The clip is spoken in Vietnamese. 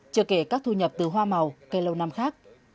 chưa kể các thu nhập từ hoa màu cây lâu năm khác